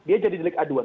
dia jadi delik aduan